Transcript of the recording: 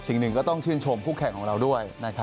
สิ่งหนึ่งก็ต้องชื่นชมคู่แข่งของเราด้วย